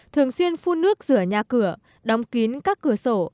thường xuyên phun nước rửa nhà cửa đóng kín các cửa sổ